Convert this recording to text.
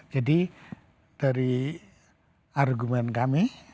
jadi dari argumen kami